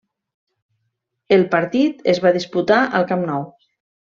El partit es va disputar al Camp Nou.